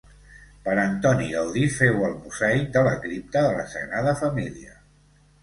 Per Antoni Gaudí féu el mosaic de la cripta de la Sagrada Família.